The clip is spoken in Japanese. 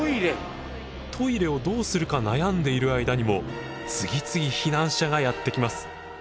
トイレをどうするか悩んでいる間にも次々避難者がやって来ます。